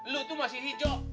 lo tuh masih hijau